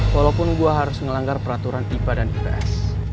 walaupun gue harus ngelanggar peraturan ipa dan ips